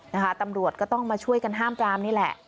นะคะตำรวจก็ต้องมาช่วยกันห้ามปรามนี่แหละ